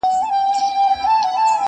دا د قامونو د خپلویو وطن!!